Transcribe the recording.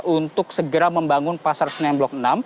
untuk segera membangun pasar senen blok enam